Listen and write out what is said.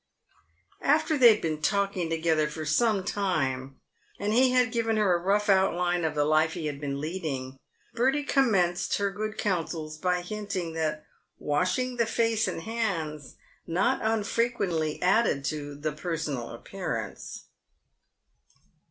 After they had been talking together for some time, and he had given her a rough outline of the life he had been leading, Bertie com menced her good counsels by hinting that washing the face and hands 128 PAVED WITH GOLD. not unfrequently added to the personal appearance.